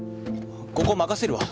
ここ任せるわ。